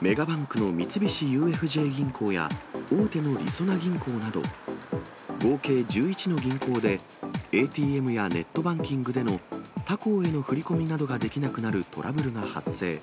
メガバンクの三菱ＵＦＪ銀行や、大手のりそな銀行など、合計１１の銀行で、ＡＴＭやネットバンキングでの他行への振り込みなどができなくなるトラブルが発生。